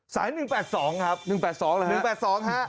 สาย๑๘๒ครับ๑๘๒หรอฮะ๑๘๒ฮะ